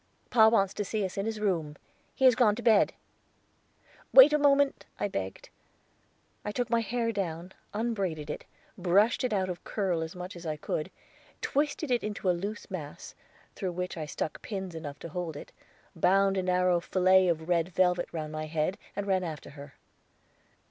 "Pa wants to see us in his room; he has gone to bed." "Wait a moment," I begged. I took my hair down, unbraided it, brushed it out of curl as much as I could, twisted it into a loose mass, through which I stuck pins enough to hold it, bound a narrow fillet of red velvet round my head, and ran after her.